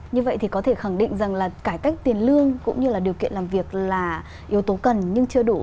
như vậy thì có thể khẳng định rằng là cải cách tiền lương cũng như là điều kiện làm việc là yếu tố cần nhưng chưa đủ